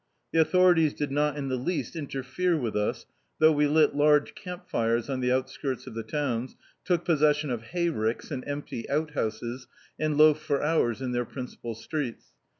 The authorities did not in the least interfere with us, though we lit large camp fires on the; outskirts of the towns, took possession of hay ricks and empty out houses, and loafed for hours in their principal streets.